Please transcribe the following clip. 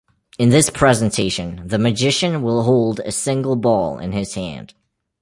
In this presentation, the magician will hold a single ball in his hand.